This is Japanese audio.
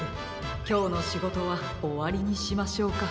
きょうのしごとはおわりにしましょうか。